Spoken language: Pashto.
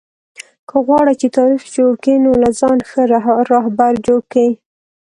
که غواړى، چي تاریخ جوړ کى؛ نو له ځانه ښه راهبر جوړ کئ!